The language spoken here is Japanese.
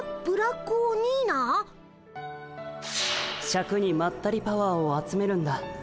シャクにまったりパワーを集めるんだ。